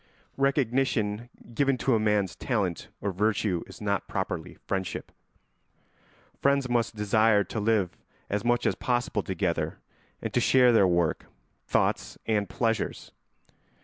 Recognition given to a man's talent or virtue is not properly friendship. Friends must desire to live as much as possible together and to share their work, thoughts, and pleasures.